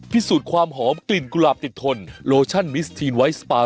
พิสูจน์ความหอมกลิ่นกุหลาบติดทนโลชั่นมิสทีนไวท์สปาร์